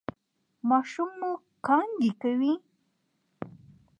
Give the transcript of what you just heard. ماشوم مو کانګې کوي؟